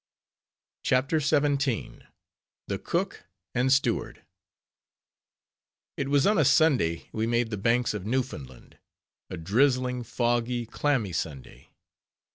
CHAPTER XVII. THE COOK AND STEWARD It was on a Sunday we made the Banks of Newfoundland; a drizzling, foggy, clammy Sunday.